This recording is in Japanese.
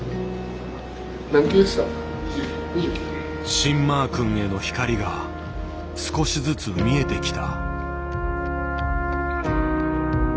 「シン・マー君」への光が少しずつ見えてきた。